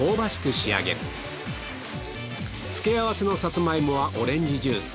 仕上げる付け合わせのサツマイモはオレンジジュース